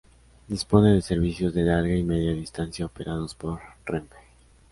Dispone de servicios de Larga y Media Distancia operados por Renfe.